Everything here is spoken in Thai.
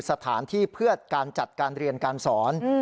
สถานที่เพื่อการจัดการเรียนการสอน